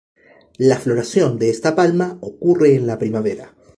La floración de esta palma ocurre en la primavera.